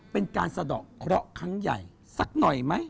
เป็นการสะดอกเคราะห์ครั้งใหญ่สักหน่อยไหม